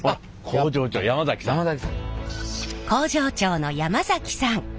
工場長の山崎さん。